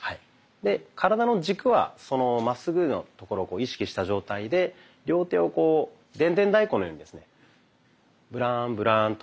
で体の軸はまっすぐのところを意識した状態で両手をこうでんでん太鼓のようにですねブランブランと。